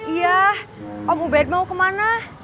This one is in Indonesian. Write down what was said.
iya om uben mau kemana